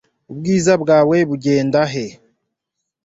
Ubwiza bwawe bugenda he